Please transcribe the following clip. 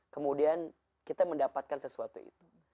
kemudian kita mendapatkan sesuatu itu